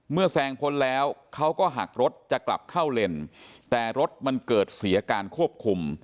แซงพ้นแล้วเขาก็หักรถจะกลับเข้าเลนแต่รถมันเกิดเสียการควบคุม